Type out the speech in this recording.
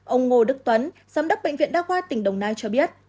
ông ngô đức tuấn giám đốc bệnh viện đa khoa tỉnh đồng nai cho biết